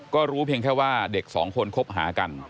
ก็รู้เพียงแค่ว่าเด็กสองคนคบหากัน